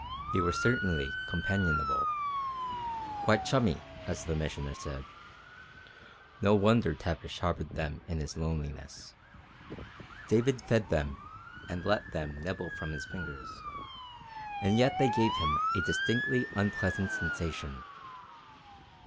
They were certainly companionable quite chummy, as the Missioner said. No wonder Tavish harboured them in his loneliness. David fed them and let them nibble from his fingers, and yet they gave him a distinctly unpleasant sensation.